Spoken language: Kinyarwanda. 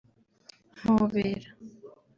‘Mpobera’